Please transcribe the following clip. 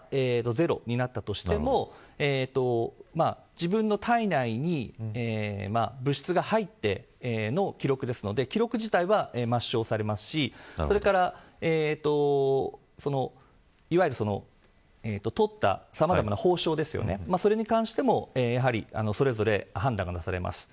資格停止期間はゼロになったとしても自分の体内に物質が入っての記録ですから記録自体は、抹消されますしそれから、いわゆる取ったさまざまな褒章それに関してもそれぞれ判断がなされます。